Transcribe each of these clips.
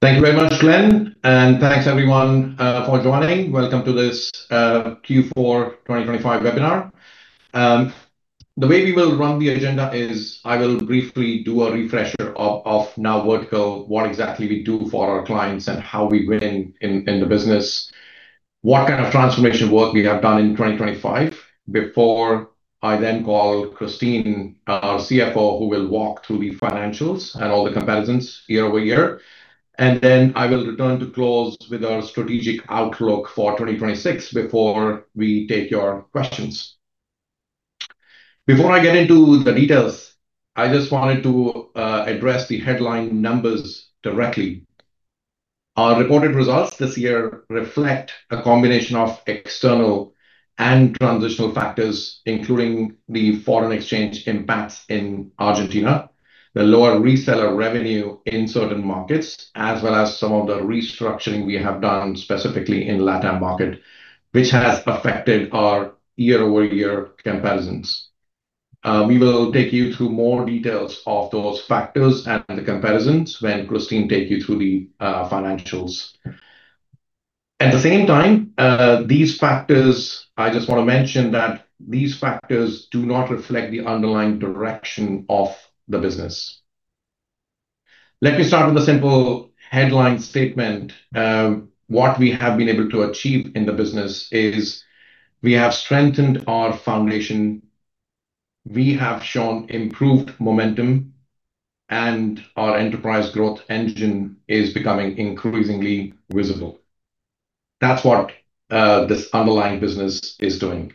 Thank you very much, Glen, and thanks, everyone, for joining. Welcome to this Q4 2025 webinar. The way we will run the agenda is I will briefly do a refresher of NowVertical, what exactly we do for our clients and how we win in the business, what kind of transformation work we have done in 2025, before I then call Christine, our CFO, who will walk through the financials and all the comparisons year-over-year. I will return to close with our strategic outlook for 2026 before we take your questions. Before I get into the details, I just wanted to address the headline numbers directly. Our reported results this year reflect a combination of external and transitional factors, including the foreign exchange impacts in Argentina, the lower reseller revenue in certain markets, as well as some of the restructuring we have done specifically in LATAM, which has affected our year-over-year comparisons. We will take you through more details of those factors and the comparisons when Christine take you through the financials. At the same time, I just want to mention that these factors do not reflect the underlying direction of the business. Let me start with a simple headline statement. What we have been able to achieve in the business is we have strengthened our foundation, we have shown improved momentum, and our enterprise growth engine is becoming increasingly visible. That's what this underlying business is doing.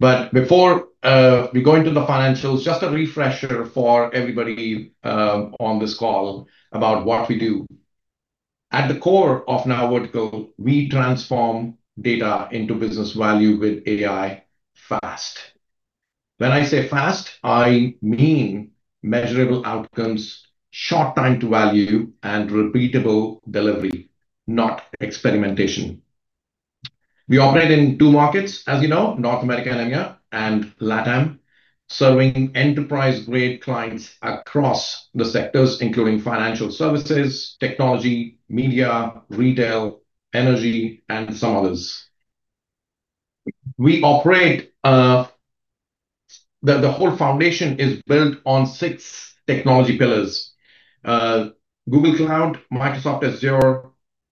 Before we go into the financials, just a refresher for everybody on this call about what we do. At the core of NowVertical, we transform data into business value with AI fast. When I say fast, I mean measurable outcomes, short time to value, and repeatable delivery, not experimentation. We operate in two markets, as you know, North America and EMEA, and LATAM, serving enterprise-grade clients across the sectors, including Financial Services, Technology, Media, Retail, Energy, and some others. The whole foundation is built on six technology pillars. Google Cloud, Microsoft Azure,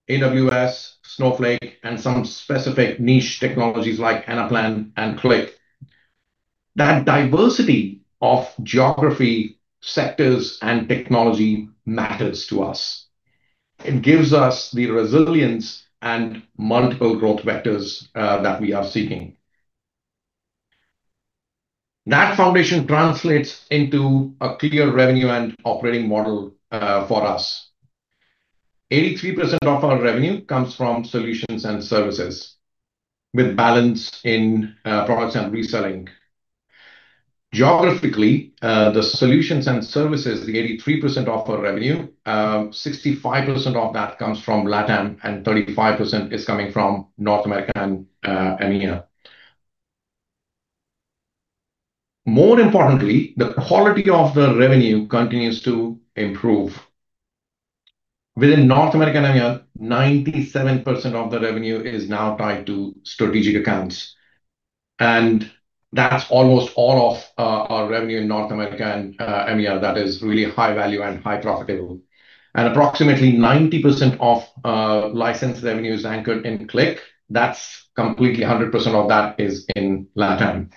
AWS, Snowflake, and some specific niche technologies like Anaplan and Qlik. That diversity of geography, sectors, and technology matters to us. It gives us the resilience and multiple growth vectors that we are seeking. That foundation translates into a clear revenue and operating model for us. 83% of our revenue comes from solutions and services, with balance in products and reselling. Geographically, the solutions and services, the 83% of our revenue, 65% of that comes from LATAM and 35% is coming from North America and EMEA. More importantly, the quality of the revenue continues to improve. Within North America and EMEA, 97% of the revenue is now tied to strategic accounts, and that's almost all of our revenue in North America and EMEA that is really high-value and highly profitable. Approximately 90% of licensed revenue is anchored in Qlik. That's completely 100% of that is in LATAM.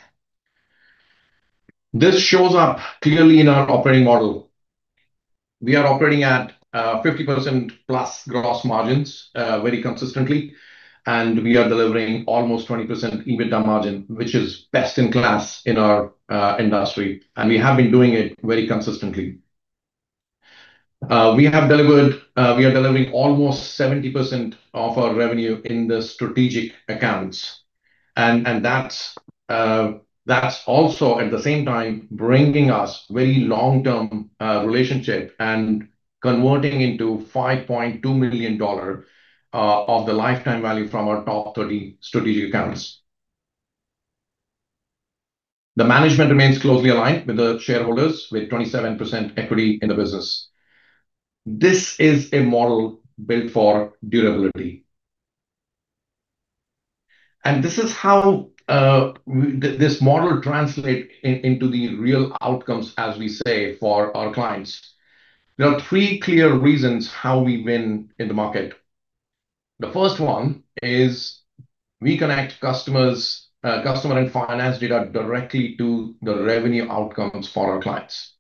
This shows up clearly in our operating model. We are operating at 50%+ gross margins very consistently, and we are delivering almost 20% EBITDA margin, which is best-in-class in our industry. We have been doing it very consistently. We are delivering almost 70% of our revenue in the strategic accounts, and that's also at the same time bringing us very long-term relationship and converting into $5.2 million of the lifetime value from our top 30 strategic accounts. The management remains closely aligned with the shareholders with 27% equity in the business. This is a model built for durability. This is how this model translate into the real outcomes, as we say, for our clients. There are three clear reasons how we win in the market. The first one is we connect customer and finance data directly to the revenue outcomes for our clients.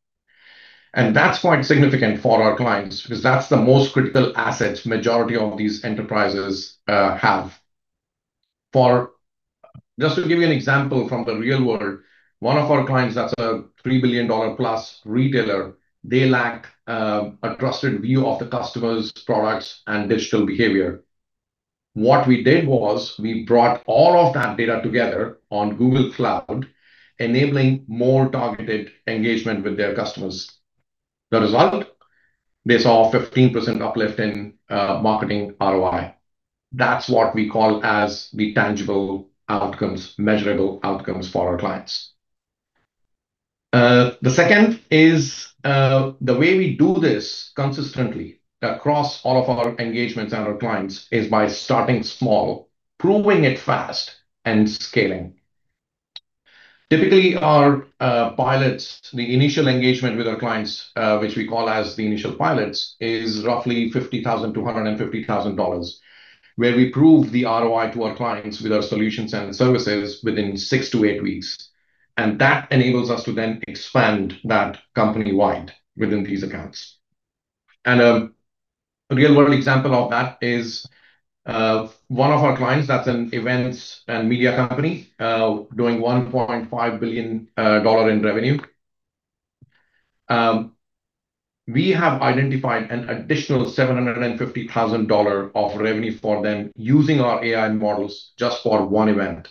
That's quite significant for our clients because that's the most critical asset majority of these enterprises have. Just to give you an example from the real world, one of our clients that's a $3+ billion retailer, they lack a trusted view of the customer's products and digital behavior. What we did was we brought all of that data together on Google Cloud, enabling more targeted engagement with their customers. The result, they saw a 15% uplift in marketing ROI. That's what we call as the tangible outcomes, measurable outcomes for our clients. The second is, the way we do this consistently across all of our engagements and our clients is by starting small, proving it fast, and scaling. Typically, our pilots, the initial engagement with our clients, which we call as the initial pilots, is roughly $50,000-$150,000, where we prove the ROI to our clients with our solutions and services within six to eight weeks. That enables us to then expand that company-wide within these accounts. A real-world example of that is one of our clients that's an events and media company, doing $1.5 billion in revenue. We have identified an additional $750,000 of revenue for them using our AI models just for one event.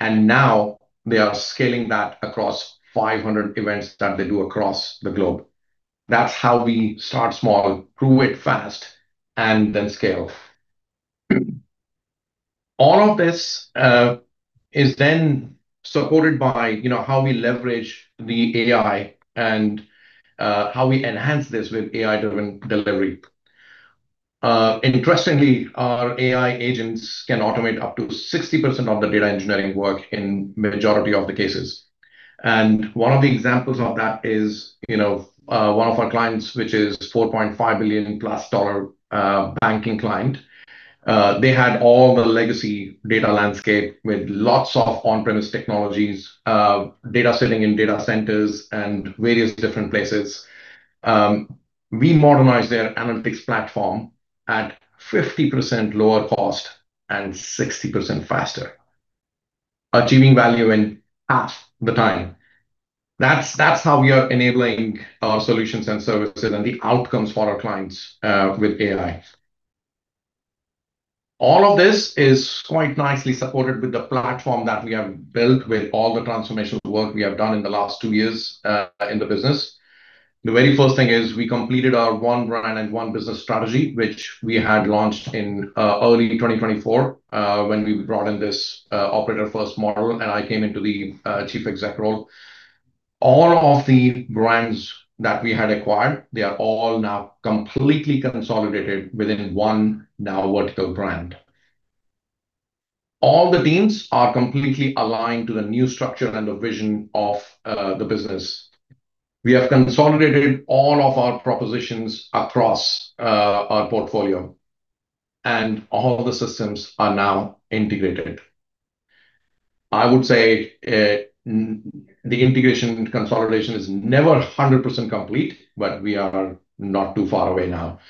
Now they are scaling that across 500 events that they do across the globe. That's how we start small, grow it fast, and then scale. All of this is then supported by how we leverage the AI and how we enhance this with AI-driven delivery. Interestingly, our AI agents can automate up to 60% of the data engineering work in majority of the cases. One of the examples of that is one of our clients, which is $4.5+ billion banking client. They had all the legacy data landscape with lots of on-premise technologies, data sitting in data centers and various different places. We modernized their analytics platform at 50% lower cost and 60% faster, achieving value in half the time. That's how we are enabling our solutions and services and the outcomes for our clients with AI. All of this is quite nicely supported with the platform that we have built with all the transformational work we have done in the last two years in the business. The very first thing is we completed our One Brand, One Business strategy, which we had launched in early 2024, when we brought in this operator first model, and I came into the Chief Executive role. All of the brands that we had acquired, they are all now completely consolidated within one NowVertical brand. All the teams are completely aligned to the new structure and the vision of the business. We have consolidated all of our propositions across our portfolio, and all the systems are now integrated. I would say the integration consolidation is never 100% complete, but we are not too far away now.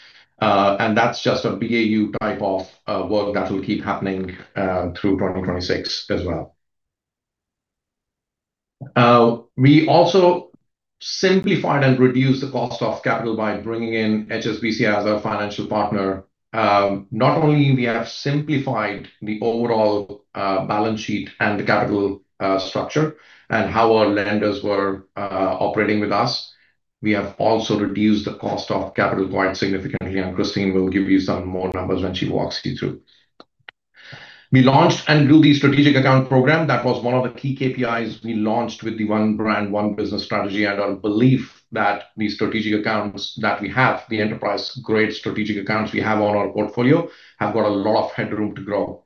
That's just a BAU type of work that will keep happening through 2026 as well. We also simplified and reduced the cost of capital by bringing in HSBC as our financial partner. Not only we have simplified the overall balance sheet and the capital structure and how our lenders were operating with us, we have also reduced the cost of capital quite significantly, and Christine will give you some more numbers when she walks you through. We launched and grew the strategic account program. That was one of the key KPIs we launched with the One Brand, One Business strategy, and our belief that the strategic accounts that we have, the enterprise-grade strategic accounts we have on our portfolio, have got a lot of headroom to grow.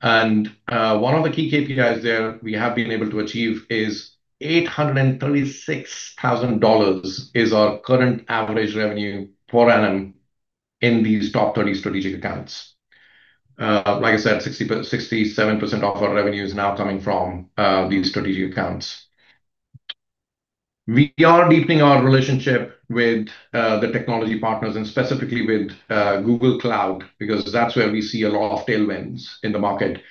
One of the key KPIs there we have been able to achieve is $836,000, our current average revenue per annum in these top 30 strategic accounts. Like I said, 67% of our revenue is now coming from these strategic accounts. We are deepening our relationship with the technology partners and specifically with Google Cloud, because that's where we see a lot of tailwinds in the market.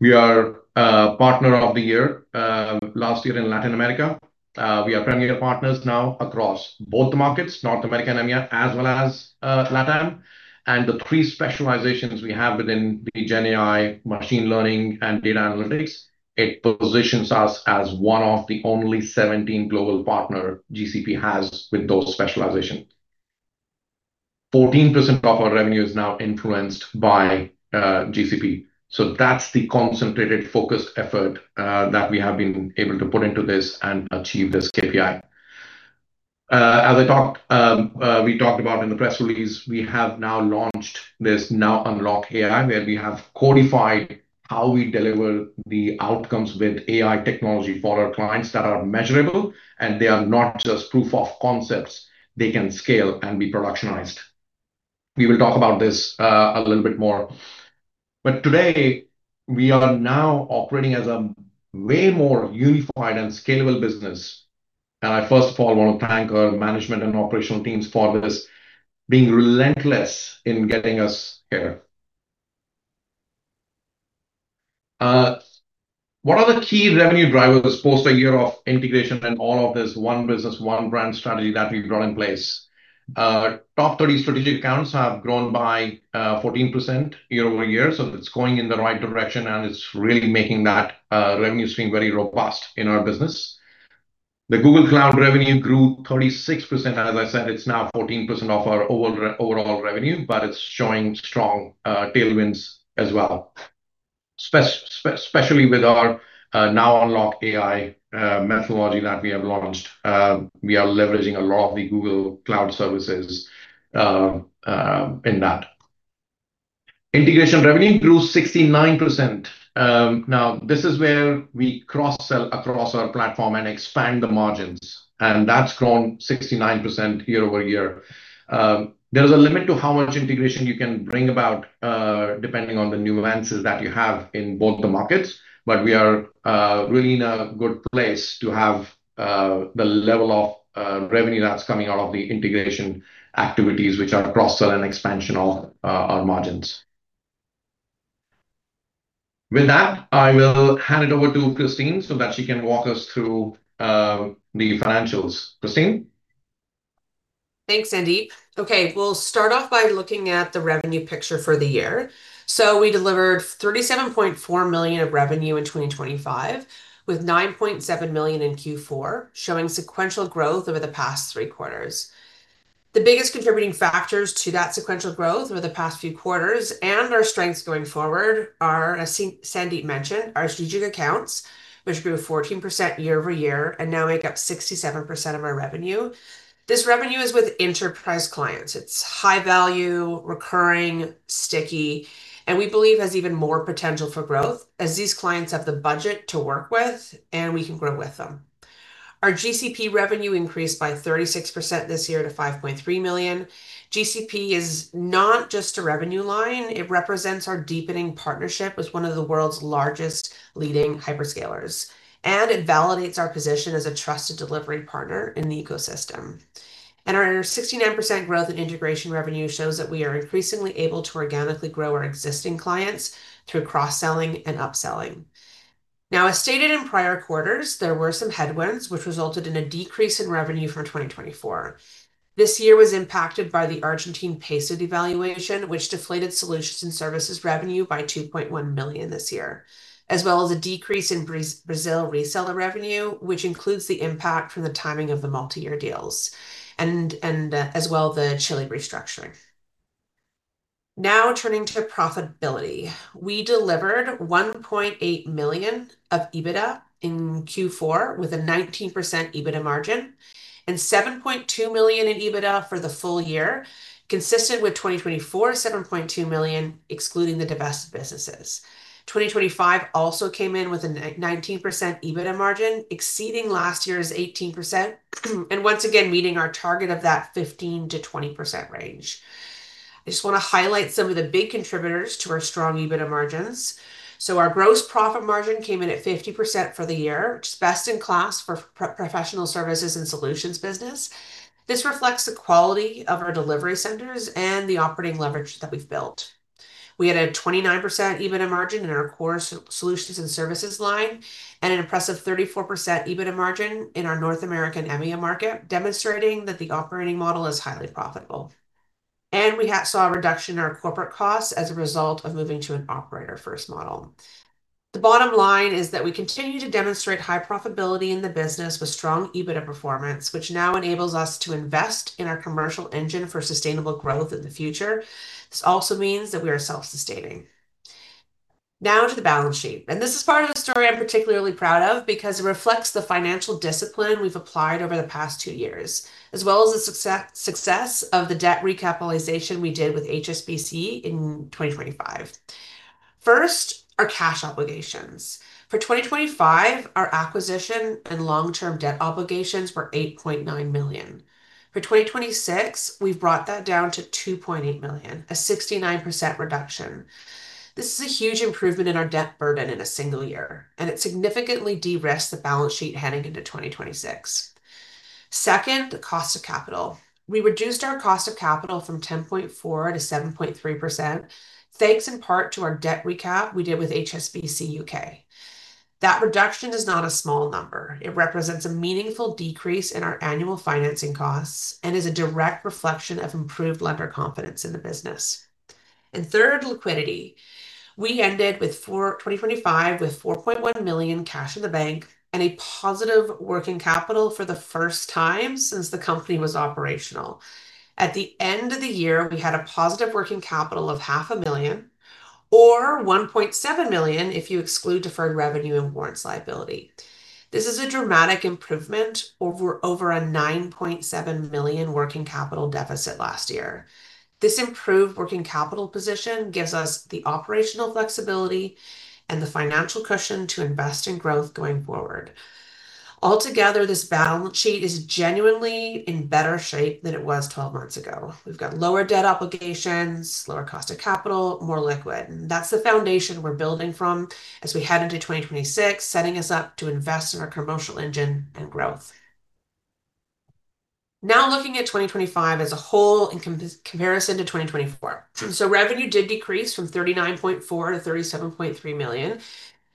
We are Partner of the Year, last year in Latin America. We are Premier Partners now across both markets, North America and EMEA, as well as LATAM. The three specializations we have within the GenAI, machine learning, and data analytics, it positions us as one of the only 17 global partner GCP has with those specializations. 14% of our revenue is now influenced by GCP. That's the concentrated, focused effort that we have been able to put into this and achieve this KPI. As we talked about in the press release, we have now launched this NowUnlock AI, where we have codified how we deliver the outcomes with AI technology for our clients that are measurable, and they are not just proof of concepts. They can scale and be productionized. We will talk about this a little bit more. Today, we are now operating as a way more unified and scalable business. I first of all want to thank our management and operational teams for this, being relentless in getting us here. What are the key revenue drivers this past year of integration and all of this One Brand, One Business strategy that we've got in place? Top 30 strategic accounts have grown by 14% year-over-year. It's going in the right direction, and it's really making that revenue stream very robust in our business. The Google Cloud revenue grew 36%. As I said, it's now 14% of our overall revenue, but it's showing strong tailwinds as well. Especially with our NowUnlock AI methodology that we have launched. We are leveraging a lot of the Google Cloud services in that. Integration revenue grew 69%. Now, this is where we cross-sell across our platform and expand the margins, and that's grown 69% year-over-year. There is a limit to how much integration you can bring about, depending on the new advances that you have in both the markets. We are really in a good place to have the level of revenue that's coming out of the integration activities, which are cross-sell and expansion of our margins. With that, I will hand it over to Christine so that she can walk us through the financials. Christine? Thanks, Sandeep. Okay. We'll start off by looking at the revenue picture for the year. We delivered $37.4 million of revenue in 2025, with $9.7 million in Q4, showing sequential growth over the past three quarters. The biggest contributing factors to that sequential growth over the past few quarters and our strengths going forward are, as Sandeep mentioned, our strategic accounts, which grew 14% year over year and now make up 67% of our revenue. This revenue is with enterprise clients. It's high-value, recurring, sticky, and we believe has even more potential for growth as these clients have the budget to work with and we can grow with them. Our GCP revenue increased by 36% this year to $5.3 million. GCP is not just a revenue line. It represents our deepening partnership with one of the world's largest leading hyperscalers, and it validates our position as a trusted delivery partner in the ecosystem. Our 69% growth in integration revenue shows that we are increasingly able to organically grow our existing clients through cross-selling and upselling. Now, as stated in prior quarters, there were some headwinds which resulted in a decrease in revenue from 2024. This year was impacted by the Argentine peso devaluation, which deflated solutions and services revenue by $2.1 million this year. As well as a decrease in Brazil reseller revenue, which includes the impact from the timing of the multi-year deals, and as well, the Chile restructuring. Now turning to profitability. We delivered $1.8 million of EBITDA in Q4, with a 19% EBITDA margin, and $7.2 million in EBITDA for the full year, consistent with 2024 $7.2 million, excluding the divested businesses. 2025 also came in with a 19% EBITDA margin, exceeding last year's 18%, and once again meeting our target of that 15%-20% range. I just want to highlight some of the big contributors to our strong EBITDA margins. Our gross profit margin came in at 50% for the year, which is best-in-class for professional services and solutions business. This reflects the quality of our delivery centers and the operating leverage that we've built. We had a 29% EBITDA margin in our core solutions and services line, and an impressive 34% EBITDA margin in our North America and EMEA market, demonstrating that the operating model is highly profitable. We saw a reduction in our corporate costs as a result of moving to an operator first model. The bottom line is that we continue to demonstrate high profitability in the business with strong EBITDA performance, which now enables us to invest in our commercial engine for sustainable growth in the future. This also means that we are self-sustaining. Now to the balance sheet, and this is part of the story I'm particularly proud of because it reflects the financial discipline we've applied over the past two years, as well as the success of the debt recapitalization we did with HSBC in 2025. First, our cash obligations. For 2025, our acquisition and long-term debt obligations were $8.9 million. For 2026, we've brought that down to $2.8 million, a 69% reduction. This is a huge improvement in our debt burden in a single year, and it significantly derisks the balance sheet heading into 2026. Second, the cost of capital. We reduced our cost of capital from 10.4% to 7.3%, thanks in part to our debt recap we did with HSBC UK. That reduction is not a small number. It represents a meaningful decrease in our annual financing costs and is a direct reflection of improved lender confidence in the business. Third, liquidity. We ended 2025 with $4.1 million cash in the bank and a positive working capital for the first time since the company was operational. At the end of the year, we had a positive working capital of $500,000, or $1.7 million if you exclude deferred revenue and warrants liability. This is a dramatic improvement over a $9.7 million working capital deficit last year. This improved working capital position gives us the operational flexibility and the financial cushion to invest in growth going forward. Altogether, this balance sheet is genuinely in better shape than it was 12 months ago. We've got lower debt obligations, lower cost of capital, more liquid, and that's the foundation we're building from as we head into 2026, setting us up to invest in our commercial engine and growth. Now looking at 2025 as a whole in comparison to 2024. Revenue did decrease from $39.4 million to $37.3 million,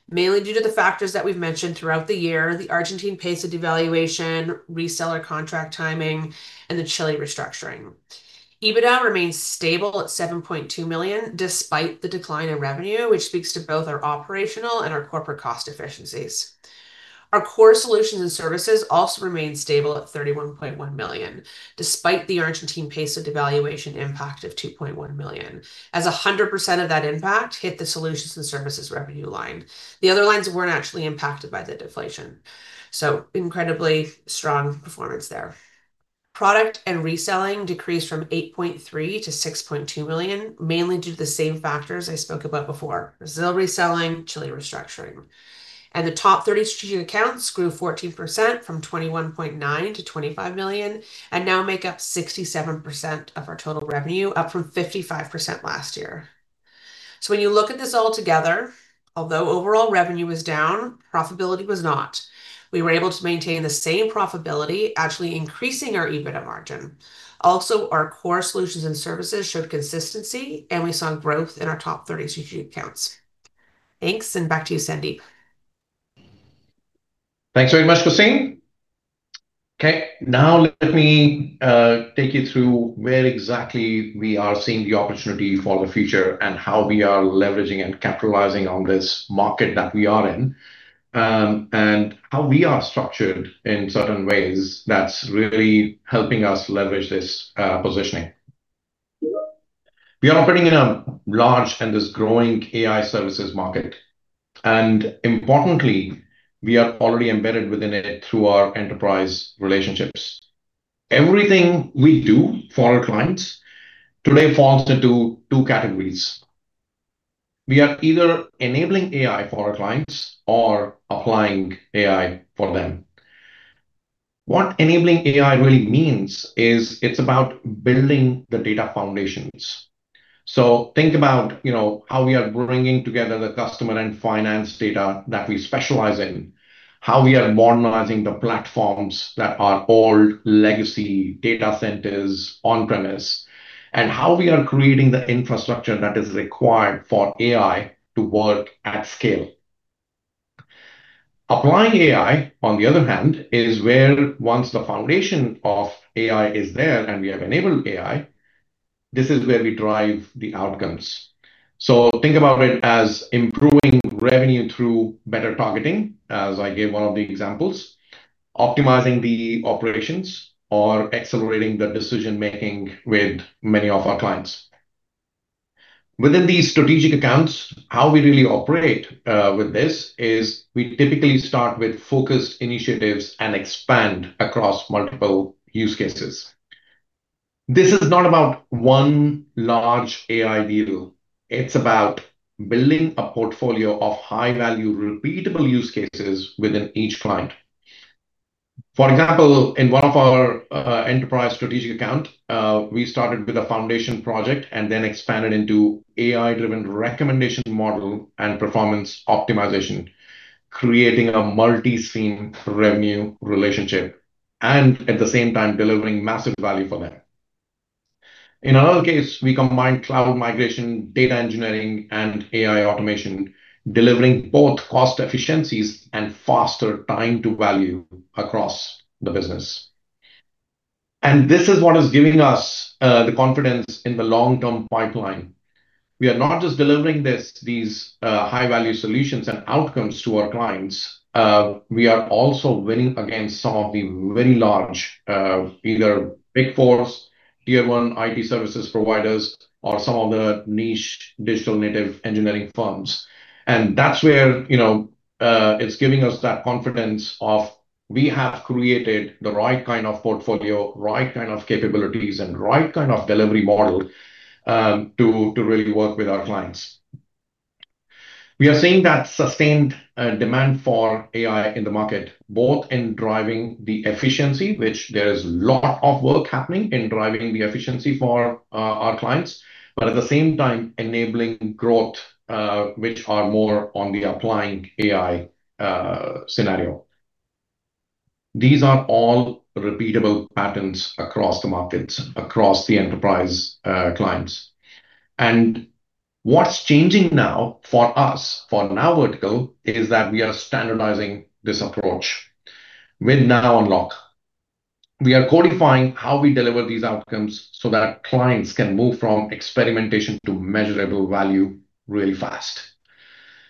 mainly due to the factors that we've mentioned throughout the year, the Argentine peso devaluation, reseller contract timing, and the Chile restructuring. EBITDA remains stable at $7.2 million despite the decline in revenue, which speaks to both our operational and our corporate cost efficiencies. Our core solutions and services also remained stable at $31.1 million, despite the Argentine peso devaluation impact of $2.1 million, as 100% of that impact hit the solutions and services revenue line. The other lines weren't actually impacted by the deflation. Incredibly strong performance there. Product and reselling decreased from $8.3 million to $6.2 million, mainly due to the same factors I spoke about before, Brazil reselling, Chile restructuring. The top 30 strategic accounts grew 14%, from $21.9 million to $25 million, and now make up 67% of our total revenue, up from 55% last year. When you look at this all together, although overall revenue was down, profitability was not. We were able to maintain the same profitability, actually increasing our EBITDA margin. Also, our core solutions and services showed consistency, and we saw growth in our top 30 strategic accounts. Thanks, and back to you, Sandeep. Thanks very much, Christine. Okay, now let me take you through where exactly we are seeing the opportunity for the future and how we are leveraging and capitalizing on this market that we are in, and how we are structured in certain ways that's really helping us leverage this positioning. We are operating in a large and growing AI services market, and importantly, we are already embedded within it through our enterprise relationships. Everything we do for our clients today falls into two categories. We are either enabling AI for our clients or applying AI for them. What enabling AI really means is it's about building the data foundations. Think about how we are bringing together the customer and finance data that we specialize in, how we are modernizing the platforms that are old legacy data centers on-premise, and how we are creating the infrastructure that is required for AI to work at scale. Applying AI, on the other hand, is where once the foundation of AI is there and we have enabled AI, this is where we drive the outcomes. Think about it as improving revenue through better targeting, as I gave one of the examples, optimizing the operations, or accelerating the decision-making with many of our clients. Within these strategic accounts, how we really operate with this is we typically start with focused initiatives and expand across multiple use cases. This is not about one large AI deal. It's about building a portfolio of high-value, repeatable use cases within each client. For example, in one of our enterprise strategic account, we started with a foundation project and then expanded into AI-driven recommendation model and performance optimization, creating a multi-stream revenue relationship and, at the same time, delivering massive value for them. In another case, we combined cloud migration, data engineering, and AI automation, delivering both cost efficiencies and faster time to value across the business. This is what is giving us the confidence in the long-term pipeline. We are not just delivering these high-value solutions and outcomes to our clients. We are also winning against some of the very large, either big 4s, tier 1 IT services providers or some of the niche digital native engineering firms. That's where it's giving us that confidence of we have created the right kind of portfolio, right kind of capabilities, and right kind of delivery model to really work with our clients. We are seeing that sustained demand for AI in the market, both in driving the efficiency, which there is lot of work happening in driving the efficiency for our clients, but at the same time enabling growth, which are more on the applying AI scenario. These are all repeatable patterns across the markets, across the enterprise clients. What's changing now for us, for NowVertical, is that we are standardizing this approach with NowUnlock. We are codifying how we deliver these outcomes so that our clients can move from experimentation to measurable value really fast.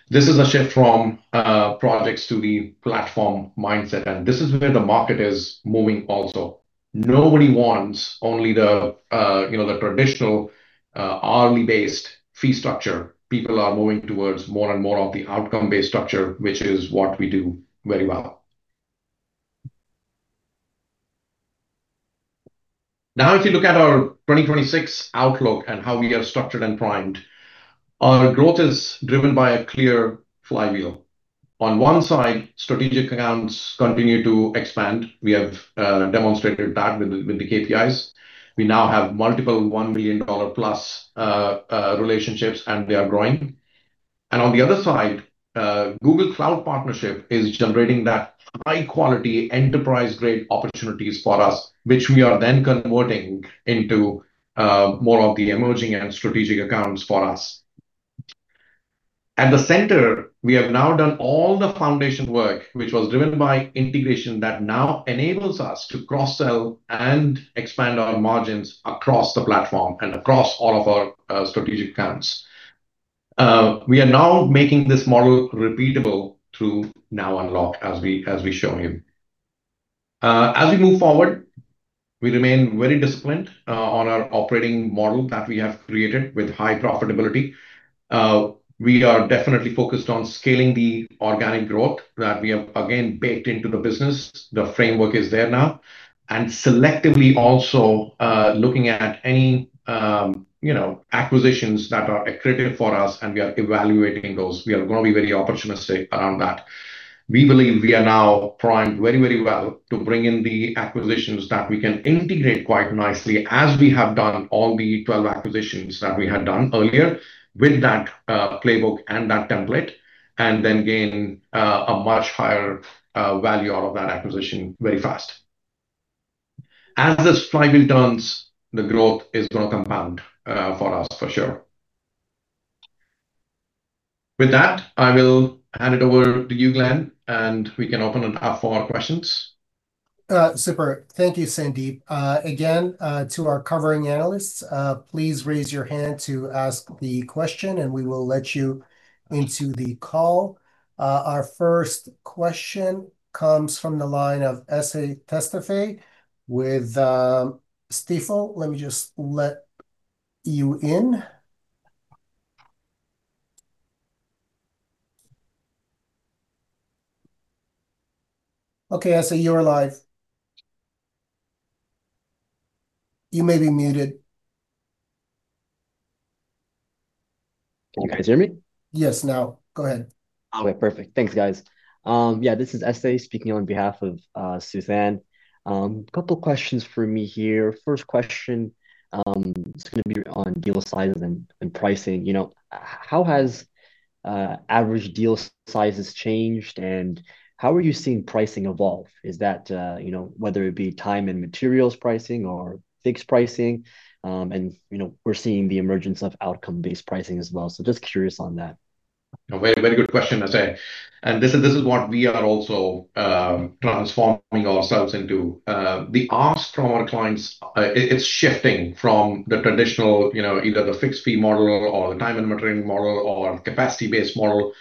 This is a shift from projects to the platform mindset, and this is where the market is moving also. Nobody wants only the traditional hourly-based fee structure. People are moving towards more and more of the outcome-based structure, which is what we do very well. Now if you look at our 2026 outlook and how we are structured and primed, our growth is driven by a clear flywheel. On one side, strategic accounts continue to expand. We have demonstrated that with the KPIs. We now have multiple $1 million-plus relationships, and they are growing. On the other side, Google Cloud partnership is generating that high-quality enterprise-grade opportunities for us, which we are then converting into more of the emerging and strategic accounts for us. At the center, we have now done all the foundation work, which was driven by integration that now enables us to cross-sell and expand our margins across the platform and across all of our strategic accounts. We are now making this model repeatable through NowUnlock, as we've shown you. As we move forward, we remain very disciplined on our operating model that we have created with high profitability. We are definitely focused on scaling the organic growth that we have, again, baked into the business. The framework is there now. Selectively also looking at any acquisitions that are accretive for us, and we are evaluating those. We are going to be very opportunistic around that. We believe we are now primed very well to bring in the acquisitions that we can integrate quite nicely, as we have done all the 12 acquisitions that we had done earlier with that playbook and that template, and then gain a much higher value out of that acquisition very fast. As this flywheel turns, the growth is going to compound for us for sure. With that, I will hand it over to you, Glen, and we can open it up for questions. Super. Thank you, Sandeep. Again, to our covering analysts, please raise your hand to ask the question and we will let you into the call. Our first question comes from the line of Suthan Sukumar with Stifel. Let me just let you in. Okay, Suthan, you are live. You may be muted. Can you guys hear me? Yes, now. Go ahead. Okay, perfect. Thanks, guys. This is Suthan speaking on behalf of Suzanne. Couple questions for me here. First question is going to be on deal sizes and pricing. How has average deal sizes changed, and how are you seeing pricing evolve? Is that whether it be time and materials pricing or fixed pricing, and we're seeing the emergence of outcome-based pricing as well. Just curious on that. Very good question, Suthan, and this is what we are also transforming ourselves into. The ask from our clients, it's shifting from the traditional, either the fixed fee model or the time and material model, or capacity-based model,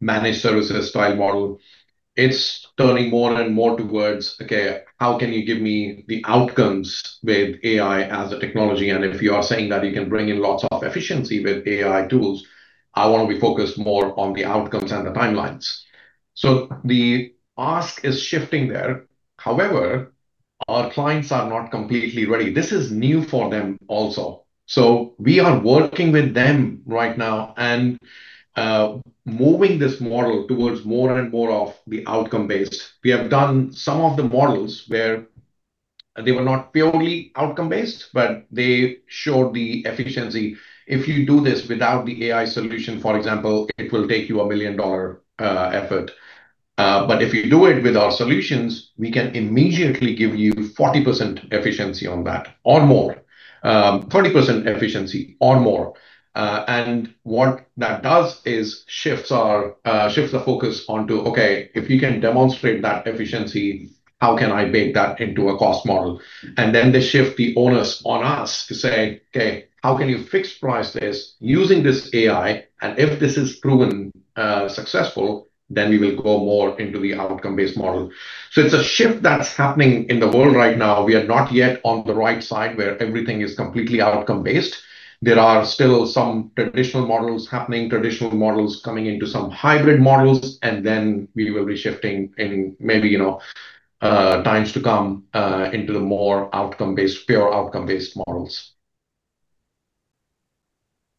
managed services style model. It's turning more and more towards, okay, how can you give me the outcomes with AI as a technology? If you are saying that you can bring in lots of efficiency with AI tools, I want to be focused more on the outcomes and the timelines. The ask is shifting there. However, our clients are not completely ready. This is new for them also. We are working with them right now and moving this model towards more and more of the outcome based. We have done some of the models where they were not purely outcome based, but they showed the efficiency. If you do this without the AI solution, for example, it will take you a million-dollar effort. If you do it with our solutions, we can immediately give you 40% efficiency on that or more. 30% efficiency or more. What that does is shifts the focus onto, okay, if you can demonstrate that efficiency, how can I bake that into a cost model? Then they shift the onus on us to say, "Okay, how can you fixed-price this using this AI? And if this is proven successful, then we will go more into the outcome-based model." It's a shift that's happening in the world right now. We are not yet on the right side where everything is completely outcome based. There are still some traditional models happening, traditional models coming into some hybrid models, and then we will be shifting in maybe times to come into the more pure outcome-based models.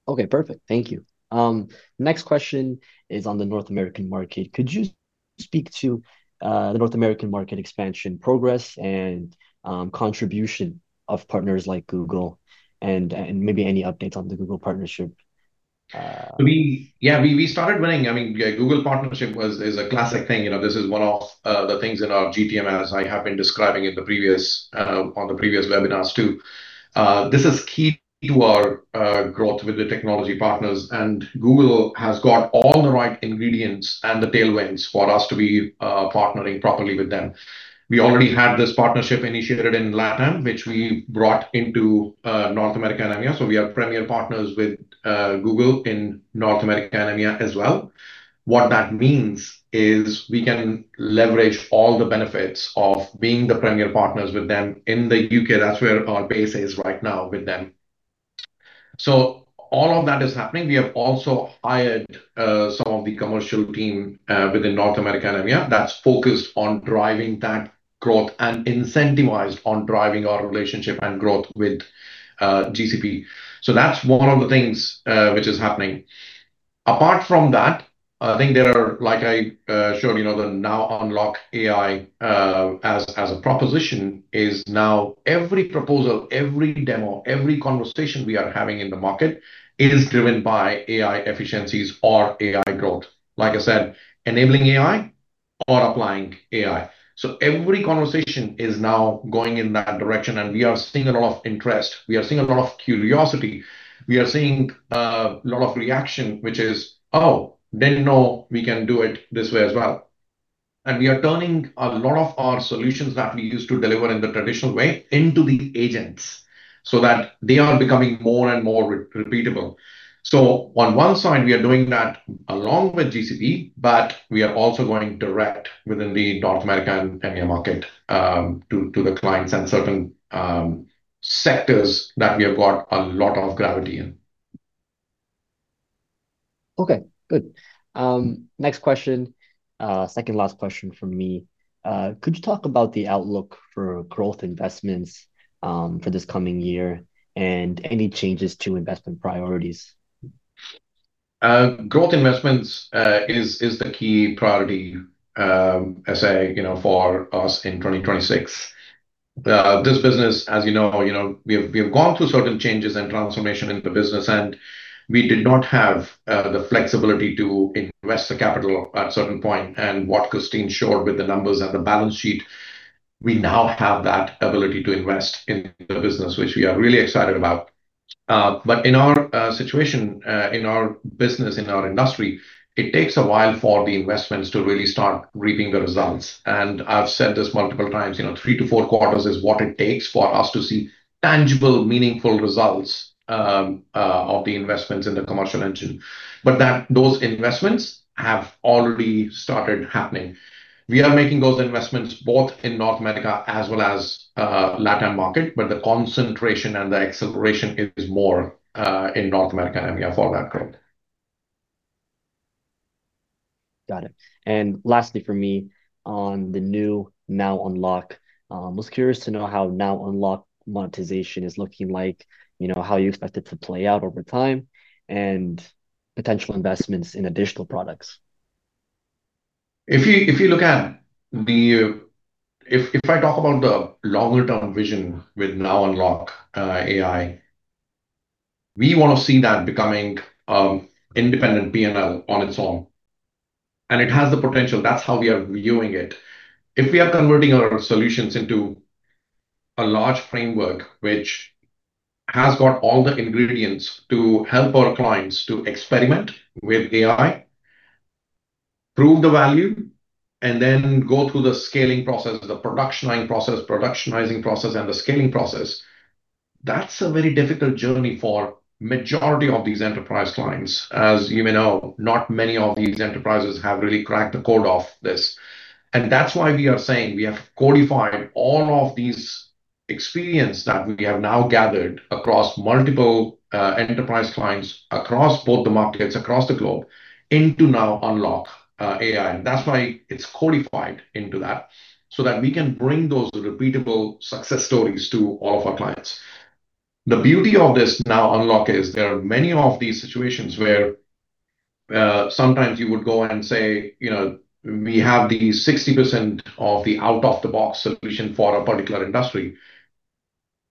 Okay, perfect. Thank you. Next question is on the North American market. Could you speak to the North American market expansion progress and contribution of partners like Google and maybe any updates on the Google partnership? Yeah, we started winning. Google partnership is a classic thing. This is one of the things in our GTM, as I have been describing on the previous webinars, too. This is key to our growth with the technology partners, and Google has got all the right ingredients and the tailwinds for us to be partnering properly with them. We already had this partnership initiated in LATAM, which we brought into North America and EMEA. We are Premier Partners with Google in North America and EMEA as well. What that means is we can leverage all the benefits of being the Premier Partners with them in the U.K. That's where our base is right now with them. All of that is happening. We have also hired some of the commercial team within North America and EMEA that's focused on driving that growth and incentivized on driving our relationship and growth with GCP. That's one of the things which is happening. Apart from that, I think there are, like I showed you, NowUnlock AI as a proposition is now every proposal, every demo, every conversation we are having in the market, it is driven by AI efficiencies or AI growth. Like I said, enabling AI or applying AI. Every conversation is now going in that direction, and we are seeing a lot of interest. We are seeing a lot of curiosity. We are seeing a lot of reaction, which is, "Oh, didn't know we can do it this way as well." We are turning a lot of our solutions that we used to deliver in the traditional way into the agents so that they are becoming more and more repeatable. On one side, we are doing that along with GCP, but we are also going direct within the North America and EMEA market to the clients and certain sectors that we have got a lot of gravity in. Okay, good. Next question, second last question from me. Could you talk about the outlook for growth investments for this coming year and any changes to investment priorities? Growth investments is the key priority, Suthan, for us in 2026. This business, as you know, we have gone through certain changes and transformation in the business, and we did not have the flexibility to invest the capital at a certain point. What Christine showed with the numbers and the balance sheet, we now have that ability to invest in the business, which we are really excited about. In our situation, in our business, in our industry, it takes a while for the investments to really start reaping the results. I've said this multiple times, three to four quarters is what it takes for us to see tangible, meaningful results of the investments in the commercial engine. Those investments have already started happening. We are making those investments both in North America as well as LATAM market, but the concentration and the acceleration is more in North America and EMEA for that growth. Got it. Lastly from me, on the new NowUnlock AI. I was curious to know how NowUnlock monetization is looking like, how you expect it to play out over time, and potential investments in additional products. If I talk about the longer-term vision with NowUnlock AI, we want to see that becoming independent P&L on its own. It has the potential. That's how we are viewing it. If we are converting our solutions into a large framework, which has got all the ingredients to help our clients to experiment with AI, prove the value, and then go through the scaling process, the production line process, productionizing process, and the scaling process, that's a very difficult journey for majority of these enterprise clients. As you may know, not many of these enterprises have really cracked the code of this. That's why we are saying we have codified all of these experience that we have now gathered across multiple enterprise clients across both the markets, across the globe, into NowUnlock AI. That's why it's codified into that, so that we can bring those repeatable success stories to all of our clients. The beauty of this NowUnlock AI is there are many of these situations where sometimes you would go and say, we have the 60% of the out-of-the-box solution for a particular industry.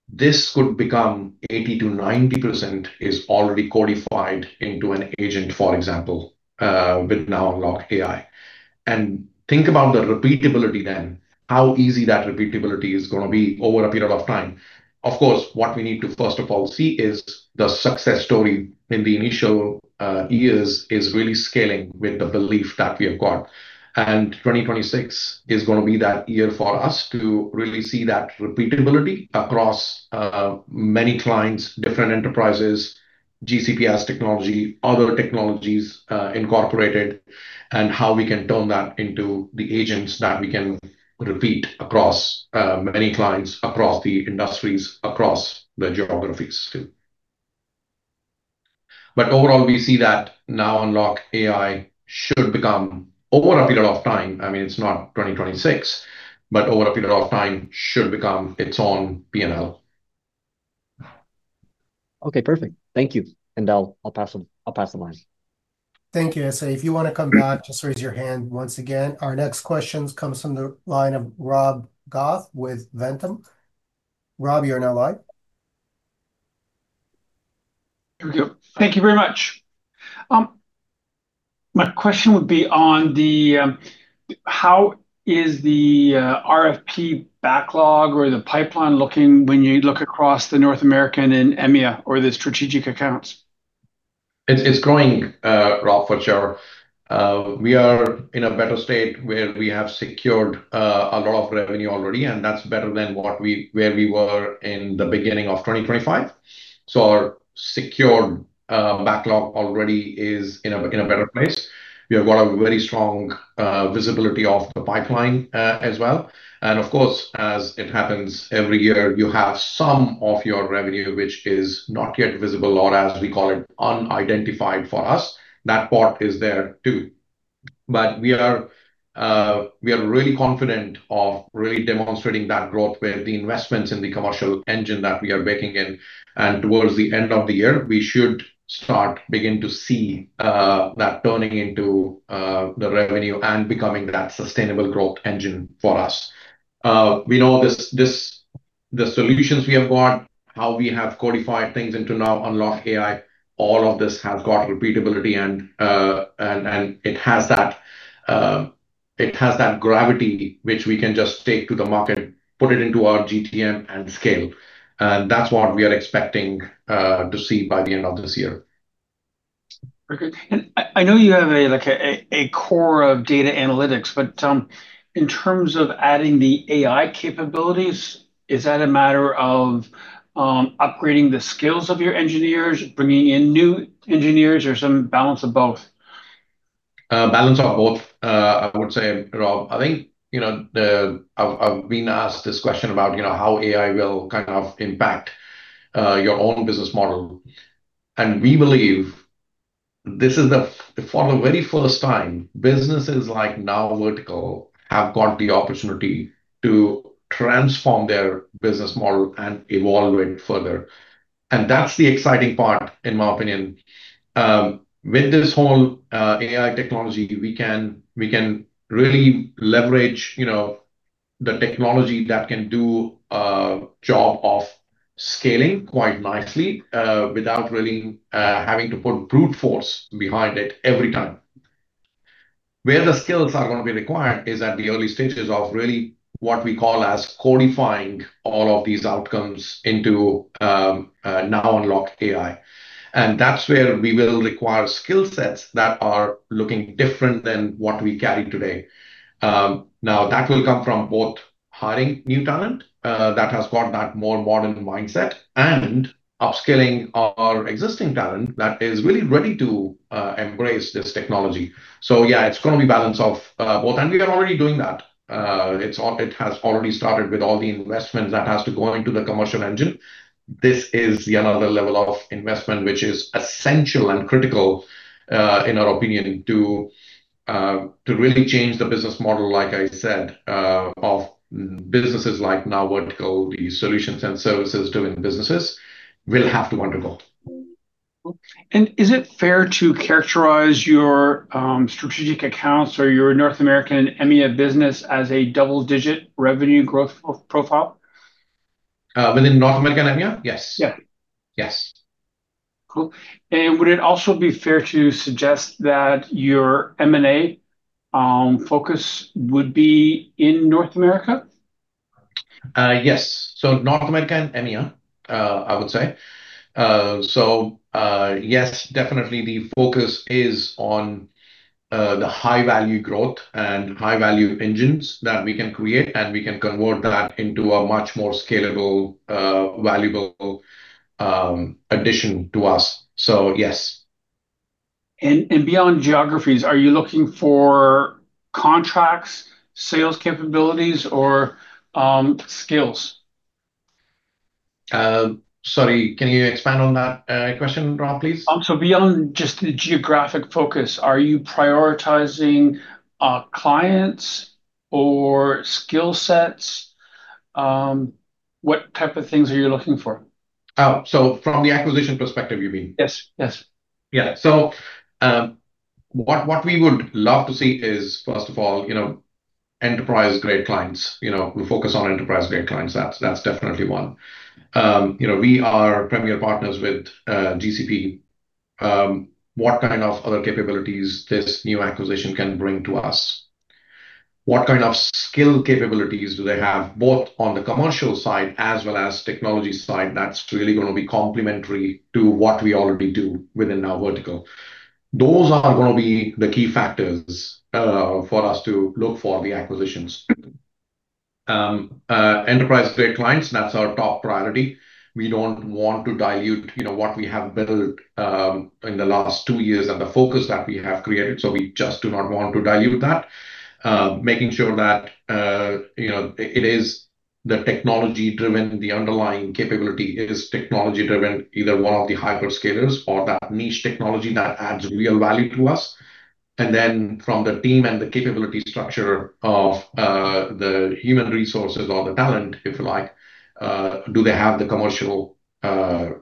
This could become 80%-90% is already codified into an agent, for example, with NowUnlock AI. Think about the repeatability then, how easy that repeatability is going to be over a period of time. Of course, what we need to first of all see is the success story in the initial years is really scaling with the belief that we have got. 2026 is going to be that year for us to really see that repeatability across many clients, different enterprises, GCP's technology, other technologies incorporated, and how we can turn that into the agents that we can repeat across many clients, across the industries, across the geographies, too. Overall, we see that NowUnlock AI should become, over a period of time, I mean, it's not 2026, but over a period of time, should become its own P&L. Okay, perfect. Thank you. I'll pass the line. Thank you. Suthan, if you want to come back, just raise your hand once again. Our next questions comes from the line of Rob Goff with Ventum. Rob, you are now live. Here we go. Thank you very much. My question would be how is the RFP backlog or the pipeline looking when you look across the North American and EMEA or the strategic accounts? It's growing, Rob, for sure. We are in a better state where we have secured a lot of revenue already, and that's better than where we were in the beginning of 2025. Our secured backlog already is in a better place. We have got a very strong visibility of the pipeline as well. Of course, as it happens every year, you have some of your revenue which is not yet visible or, as we call it, unidentified for us. That part is there, too. We are really confident of really demonstrating that growth where the investments in the commercial engine that we are making in. Towards the end of the year, we should begin to see that turning into the revenue and becoming that sustainable growth engine for us. We know the solutions we have got, how we have codified things into NowUnlock AI, all of this has got repeatability and it has that gravity which we can just take to the market, put it into our GTM and scale. That's what we are expecting to see by the end of this year. Very good. I know you have a core of data analytics, but in terms of adding the AI capabilities, is that a matter of upgrading the skills of your engineers, bringing in new engineers, or some balance of both? A balance of both, I would say, Rob. I think, I've been asked this question about how AI will kind of impact your own business model. We believe this is, for the very first time, businesses like NowVertical have got the opportunity to transform their business model and evolve it further. That's the exciting part, in my opinion. With this whole AI technology, we can really leverage the technology that can do a job of scaling quite nicely, without really having to put brute force behind it every time. Where the skills are going to be required is at the early stages of really what we call as codifying all of these outcomes into NowUnlock AI. That's where we will require skill sets that are looking different than what we carry today. Now, that will come from both hiring new talent, that has got that more modern mindset, and upskilling our existing talent that is really ready to embrace this technology. Yeah, it's going to be balance of both. We are already doing that. It has already started with all the investments that has to go into the commercial engine. This is yet another level of investment, which is essential and critical, in our opinion, to really change the business model, like I said, of businesses like NowVertical. The solutions and services doing businesses will have to undergo. Is it fair to characterize your strategic accounts or your North America and EMEA business as a double-digit revenue growth profile? Within North America and EMEA? Yes. Yeah. Yes. Cool. Would it also be fair to suggest that your M&A focus would be in North America? Yes. North America and EMEA, I would say. Yes, definitely the focus is on the high-value growth and high-value engines that we can create, and we can convert that into a much more scalable, valuable addition to us. Yes. Beyond geographies, are you looking for contracts, sales capabilities, or skills? Sorry, can you expand on that question, Rob, please? Beyond just the geographic focus, are you prioritizing clients or skill sets? What type of things are you looking for? Oh, from the acquisition perspective, you mean? Yes. Yeah. What we would love to see is, first of all, enterprise-grade clients. We focus on enterprise-grade clients. That's definitely one. We are Premier Partners with GCP. What kind of other capabilities this new acquisition can bring to us? What kind of skill capabilities do they have, both on the commercial side as well as technology side, that's really going to be complementary to what we already do within NowVertical? Those are going to be the key factors for us to look for the acquisitions. Enterprise-grade clients, that's our top priority. We don't want to dilute what we have built in the last two years and the focus that we have created. We just do not want to dilute that. Making sure that it is the technology-driven, the underlying capability is technology-driven, either one of the hyperscalers or that niche technology that adds real value to us. From the team and the capability structure of the human resources or the talent, if you like, do they have the commercial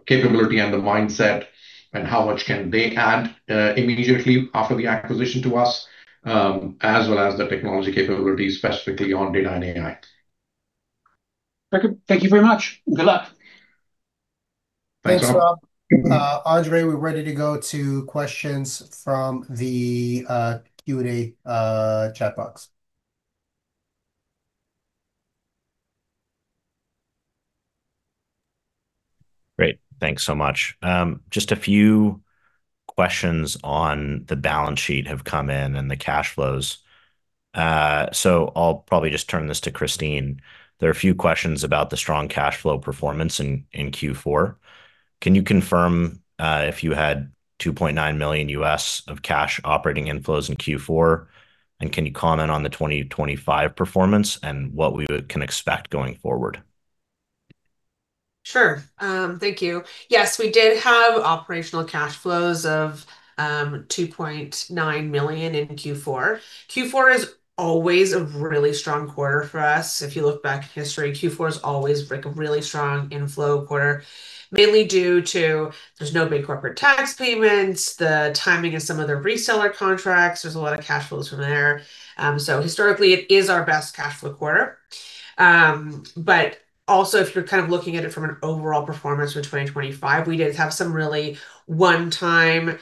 capability and the mindset, and how much can they add immediately after the acquisition to us, as well as the technology capabilities, specifically on data and AI? Very good. Thank you very much. Good luck. Thanks, Rob. Thanks, Rob. Andre, we're ready to go to questions from the Q&A chat box. Great. Thanks so much. Just a few questions on the balance sheet have come in and the cash flows. I'll probably just turn this to Christine. There are a few questions about the strong cash flow performance in Q4. Can you confirm if you had $2.9 million of cash operating inflows in Q4, and can you comment on the 2025 performance and what we can expect going forward? Sure. Thank you. Yes, we did have operational cash flows of $2.9 million in Q4. Q4 is always a really strong quarter for us. If you look back at history, Q4 is always like a really strong inflow quarter, mainly due to there's no big corporate tax payments, the timing of some of the reseller contracts, there's a lot of cash flows from there. Historically, it is our best cash flow quarter. If you're kind of looking at it from an overall performance for 2025, we did have some really one-time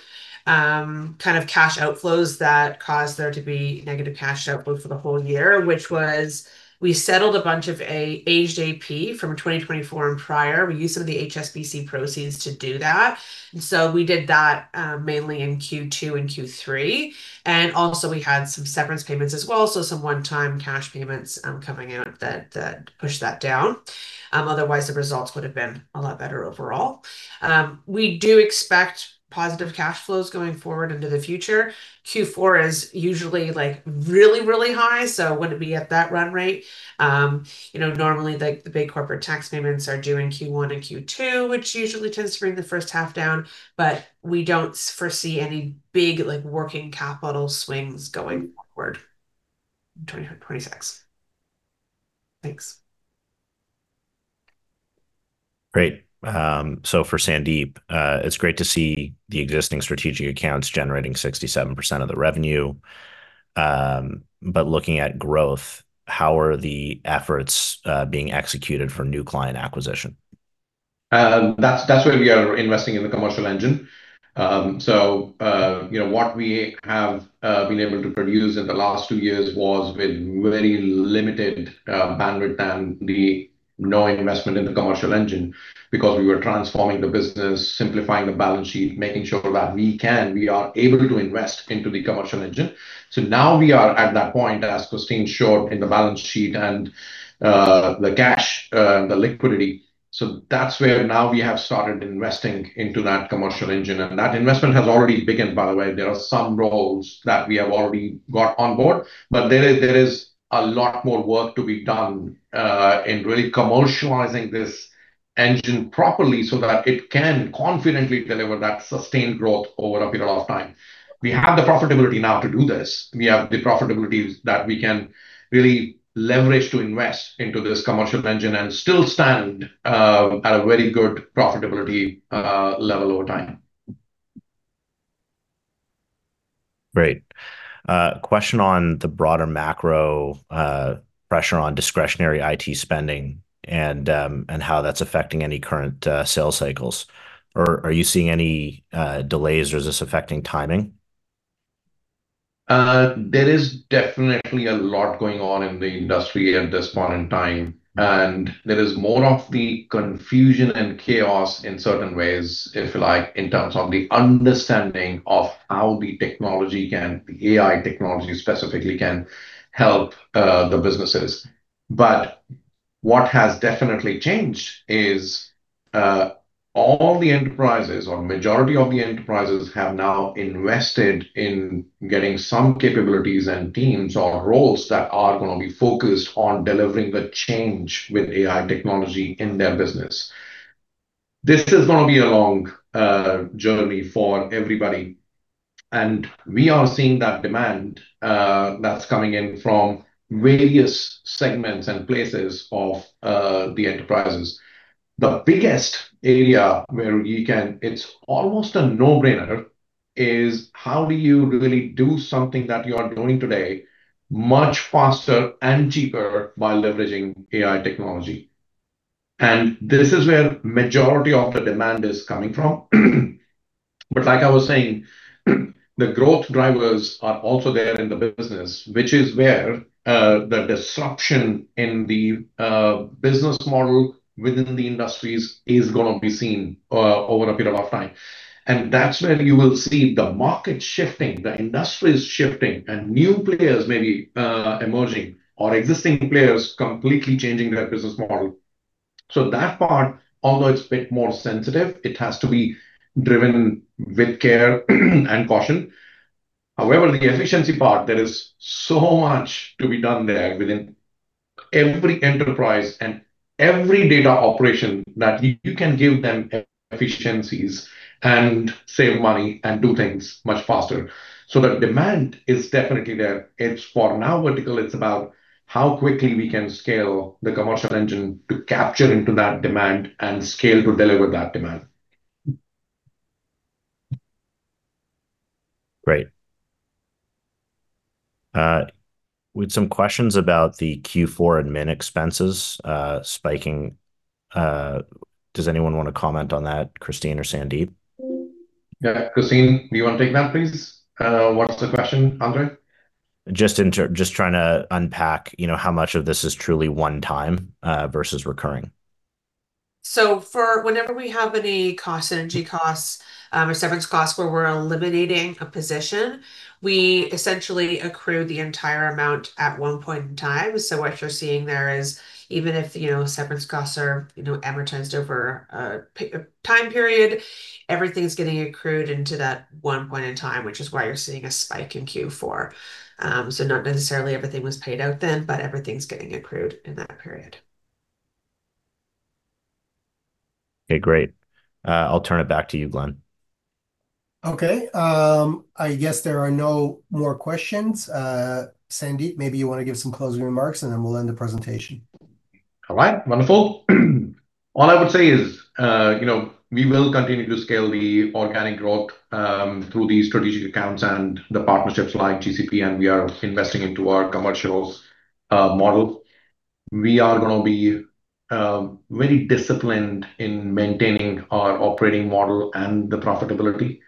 kind of cash outflows that caused there to be negative cash outflow for the whole year, which was we settled a bunch of aged AP from 2024 and prior. We used some of the HSBC proceeds to do that. We did that mainly in Q2 and Q3. Also we had some severance payments as well, so some one-time cash payments coming out that pushed that down. Otherwise, the results would've been a lot better overall. We do expect positive cash flows going forward into the future. Q4 is usually really, really high, so it wouldn't be at that run rate. Normally, the big corporate tax payments are due in Q1 and Q2, which usually tends to bring the first half down. We don't foresee any big working capital swings going forward in 2026. Thanks. Great. For Sandeep, it's great to see the existing strategic accounts generating 67% of the revenue. Looking at growth, how are the efforts being executed for new client acquisition? That's where we are investing in the commercial engine. What we have been able to produce in the last two years was with very limited bandwidth and no investment in the commercial engine because we were transforming the business, simplifying the balance sheet, making sure that we are able to invest into the commercial engine. Now we are at that point, as Christine showed in the balance sheet, and the cash, the liquidity. That's where now we have started investing into that commercial engine, and that investment has already begun, by the way. There are some roles that we have already got on board. There is a lot more work to be done in really commercializing this engine properly so that it can confidently deliver that sustained growth over a period of time. We have the profitability now to do this. We have the profitability that we can really leverage to invest into this commercial engine and still stand at a very good profitability level over time. Great. Question on the broader macro pressure on discretionary IT spending and how that's affecting any current sales cycles. Are you seeing any delays, or is this affecting timing? There is definitely a lot going on in the industry at this point in time, and there is more of the confusion and chaos in certain ways, if you like, in terms of the understanding of how the technology can, the AI technology specifically, can help the businesses. What has definitely changed is all the enterprises, or majority of the enterprises, have now invested in getting some capabilities and teams or roles that are going to be focused on delivering the change with AI technology in their business. This is going to be a long journey for everybody, and we are seeing that demand that's coming in from various segments and places of the enterprises. The biggest area where you can, it's almost a no-brainer, is how do you really do something that you are doing today much faster and cheaper by leveraging AI technology? This is where majority of the demand is coming from. Like I was saying, the growth drivers are also there in the business, which is where the disruption in the business model within the industries is going to be seen over a period of time. That's where you will see the market shifting, the industries shifting, and new players maybe emerging or existing players completely changing their business model. That part, although it's a bit more sensitive, it has to be driven with care and caution. However, the efficiency part, there is so much to be done there within every enterprise and every data operation that you can give them efficiencies and save money and do things much faster. The demand is definitely there. It's for NowVertical, it's about how quickly we can scale the commercial engine to capture into that demand and scale to deliver that demand. Great. With some questions about the Q4 admin expenses spiking, does anyone want to comment on that, Christine or Sandeep? Yeah. Christine, do you want to take that, please? What's the question, Andre? Just trying to unpack how much of this is truly one time versus recurring. For whenever we have any cost, synergy costs, or severance costs where we're eliminating a position, we essentially accrue the entire amount at one point in time. What you're seeing there is even if severance costs are amortized over a time period, everything's getting accrued into that one point in time, which is why you're seeing a spike in Q4. Not necessarily everything was paid out then, but everything's getting accrued in that period. Okay, great. I'll turn it back to you, Glen. Okay. I guess there are no more questions. Sandeep, maybe you want to give some closing remarks, and then we'll end the presentation. All right. Wonderful. All I would say is we will continue to scale the organic growth through these strategic accounts and the partnerships like GCP, and we are investing into our commercials model. We are going to be very disciplined in maintaining our operating model and the profitability.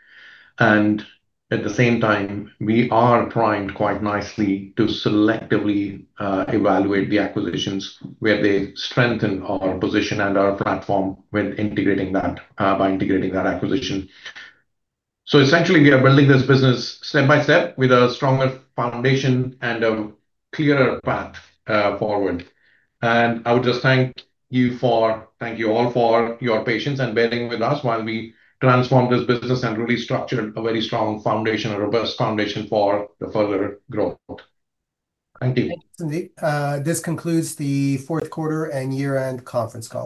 At the same time, we are primed quite nicely to selectively evaluate the acquisitions where they strengthen our position and our platform when integrating that acquisition. Essentially, we are building this business step by step with a stronger foundation and a clearer path forward. I would just thank you all for your patience and bearing with us while we transform this business and really structure a very strong foundation, a robust foundation for the further growth. Thank you. Thank you, Sandeep. This concludes the fourth quarter and year-end conference call.